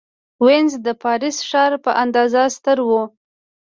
وینز د پاریس ښار په اندازه ستر و.